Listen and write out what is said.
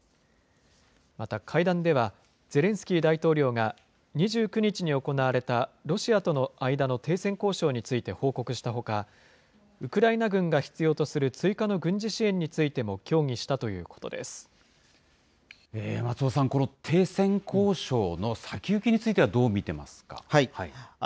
また会談では、ゼレンスキー大統領が、２９日に行われたロシアとの間の停戦交渉について報告したほか、ウクライナ軍が必要とする追加の軍事支援についても協議したとい松尾さん、この停戦交渉の先行きについてはどう見てますか。